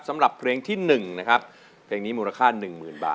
สำหรับเพลงที่๑นะครับ